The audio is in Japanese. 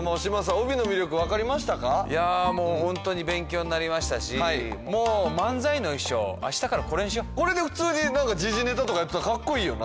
帯の魅力分かりましたかいやもうホントに勉強になりましたしもう漫才の衣装明日からこれにしよこれで時事ネタとかやってたらかっこいいよな